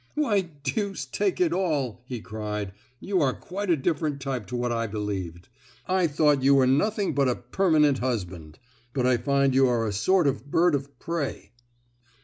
"Why, deuce take it all!" he cried, "you are quite a different type to what I believed. I thought you were nothing but a 'permanent husband,' but I find you are a sort of bird of prey."